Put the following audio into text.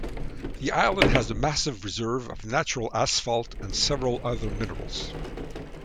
The island has a massive reserve of natural asphalt and several other minerals.